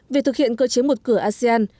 về thực hiện cơ chế một cửa asean